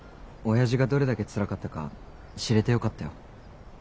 親父がどれだけつらかったか知れてよかったよ。